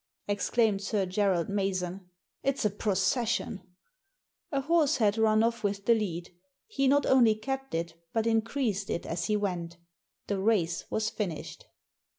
exclaimed Sir Gerald Mason. "It's a procession !" A horse had run off with the lead. He not only kept it, but increased it as he went The race was finished.